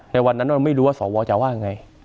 ในวันนั้นเราไม่รู้ว่าสวจะว่าไง